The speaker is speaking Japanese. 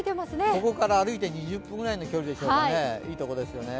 ここから歩いて２０分くらいの距離でしょうかね、いい所ですよね。